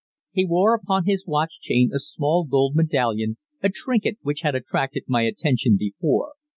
He wore upon his watch chain a small gold medallion, a trinket which had attracted my attention before.